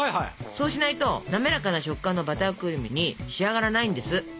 そうしないと滑らかな食感のバタークリームに仕上がらないんです。